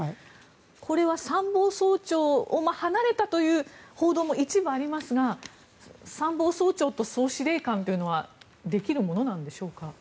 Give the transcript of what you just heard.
これは参謀総長を離れたという一部ありますが参謀総長と総司令官というのはできるものなんでしょうか。